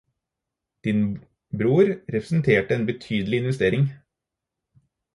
Din bror representerte en betydelig investering